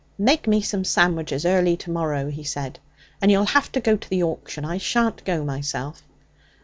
'Make me some sandwiches early to morrow,' he said, 'and you'll have to go to the auction. I shan't go myself.'